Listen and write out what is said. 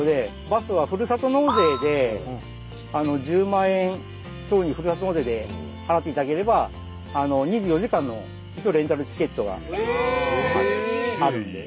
バスはふるさと納税で１０万円町にふるさと納税で払っていただければ２４時間のレンタルチケットがあるんで。